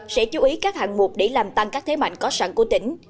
sẽ chú ý các hạng mục để làm tăng các thế mạnh có sẵn của tỉnh